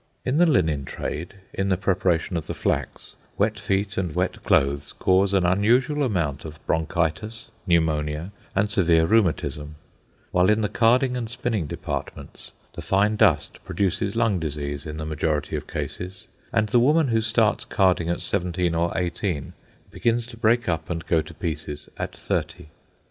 In the linen trade, in the preparation of the flax, wet feet and wet clothes cause an unusual amount of bronchitis, pneumonia, and severe rheumatism; while in the carding and spinning departments the fine dust produces lung disease in the majority of cases, and the woman who starts carding at seventeen or eighteen begins to break up and go to pieces at thirty.